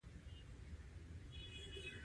راتلونکي نسلونه به د مطلقې وچکالۍ.